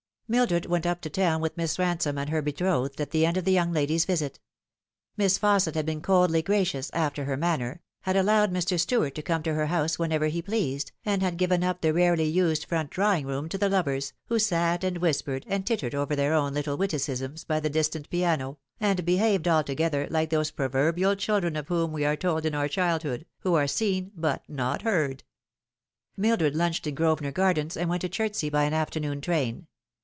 Mildred went up to town with Miss Ransome and her Lfora Scripta Manet 325 betrothed at the end of the young lady's visit. Miss Fausset had been coldly gracious, after her manner, had allowed Mr. Stuart to come to her house whenever he pleased, and had given up the rarely used front drawing room to the lovers, who sat and whispered and tittered over their own little witticisms, by the distant piano, and behaved altogether like those pro verbial children of whom we are told in our childhood, who are seen but not heard. Mildred lunched in Grosvenor Gardens, and went to Chertsey by an afternoon train.